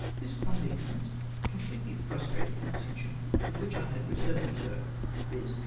Tliis clumsy occmTence completely frustrated the intention with which I had reserved her, viz.